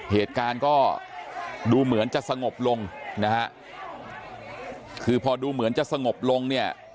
เหตุการณ์ก็ดูเหมือนจะสงบลงนะฮะคือพอดูเหมือนจะสงบลงเนี่ย